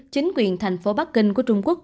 chính quyền thành phố bắc kinh của trung quốc